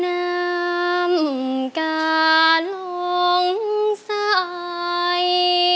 น้ำกาลงใส่